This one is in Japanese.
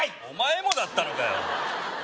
お前もだったのかよ